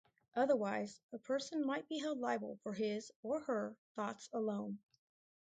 Otherwise, a person might be held liable for his or her thoughts alone.